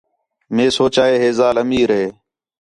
مئے سوچا ہے ہِے ذال امیر ہے